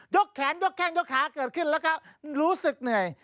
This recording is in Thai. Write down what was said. แขนยกแข้งยกขาเกิดขึ้นแล้วก็รู้สึกเหนื่อย